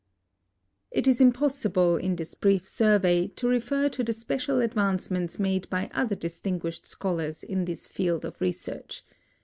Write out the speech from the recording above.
It is impossible, in this brief survey, to refer to the special advancements made by other distinguished scholars in this field of research.